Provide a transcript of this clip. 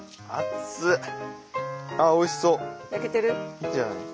いいんじゃない？